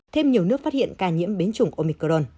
thêm nhiều nước phát hiện ca nhiễm biến chủng omicron